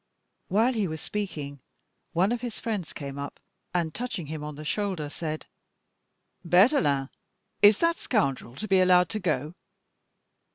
While he was speaking, one of his friends came up, and touching him on the shoulder, said: "Berthelin, is that scoundrel to be allowed to go?"